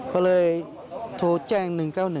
เพราะเลยโทรแจ้ง๑๙๑